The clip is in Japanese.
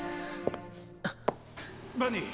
バニー。